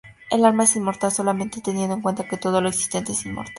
El alma es inmortal solamente teniendo en cuenta que todo lo existente es inmortal.